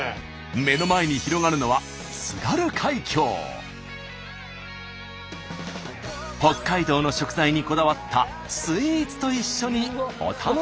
目の前に広がるのは北海道の食材にこだわったスイーツと一緒にお楽しみください。